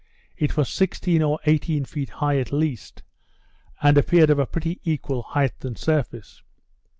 It was sixteen or eighteen feet high at least; and appeared of a pretty equal height and surface.